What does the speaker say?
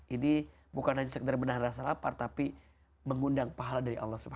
ini bukan hanya sekedar menahan rasa lapar tapi mengundang pahala dari allah swt